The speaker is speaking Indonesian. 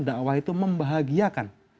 da'wah itu membahagiakan